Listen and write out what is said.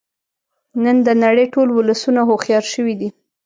نن د نړۍ ټول ولسونه هوښیار شوی دی